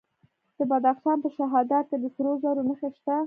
د بدخشان په شهدا کې د سرو زرو نښې شته.